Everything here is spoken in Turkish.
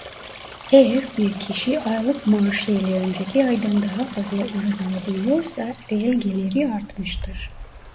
Eğer bir kişi aylık maaşı ile önceki aydan daha fazla ürün alabiliyorsa reel geliri artmıştır.